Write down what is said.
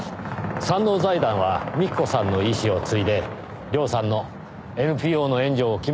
山王財団は美紀子さんの遺志を継いで涼さんのＮＰＯの援助を決めたそうですね。